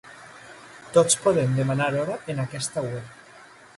Tots poden demanar hora en aquesta web.